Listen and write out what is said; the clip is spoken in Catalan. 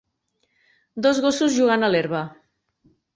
Dos gossos jugant a l'herba